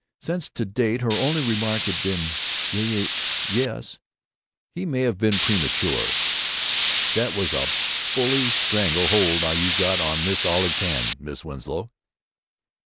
Since, to date, her only remark had been "Y yes?" he may have been premature. "That was a bully strangle hold you got on Miss Olive's hand, Miss Winslow."